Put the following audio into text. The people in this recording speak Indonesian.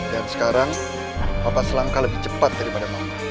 dan sekarang papa selangkah lebih cepat daripada mama